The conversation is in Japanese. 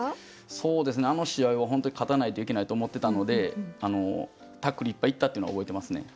そうですねあの試合は本当に勝たないといけないと思ってたのでタックルいっぱいいったっていうのは覚えてますね。